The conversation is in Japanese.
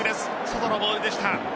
外のボールでした。